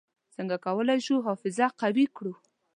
څنګه کولای شو حافظه قوي کړو؟